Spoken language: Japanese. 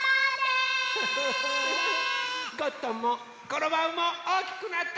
ゴットンもコロバウもおおきくなった。